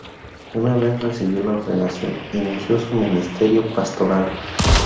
Una vez recibió la ordenación, inició su ministerio pastoral.